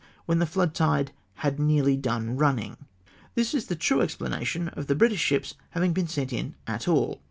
when the flood tide '■'■had nearly done running.'''' This is the true explanation of the British ships having been sent in at all.